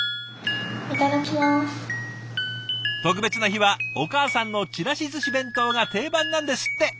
特別な日はお母さんのちらし寿司弁当が定番なんですって。